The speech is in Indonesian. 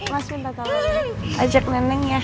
mas minta kalau ajak neneng ya